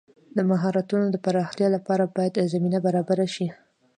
د مهارتونو د پراختیا لپاره باید زمینه برابره شي.